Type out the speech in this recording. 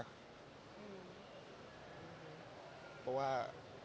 เพราะว่า